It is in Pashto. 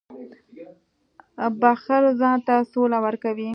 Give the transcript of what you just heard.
• بښل ځان ته سوله ورکوي.